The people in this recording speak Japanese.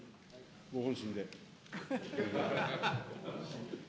ご本心で。